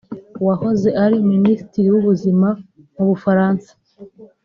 wahoze ari Minisitiri w’Ubuzima mu Bufaransa